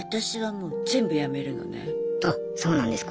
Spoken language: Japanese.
あそうなんですか？